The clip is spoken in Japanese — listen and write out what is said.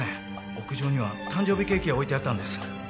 屋上には誕生日ケーキが置いてあったんです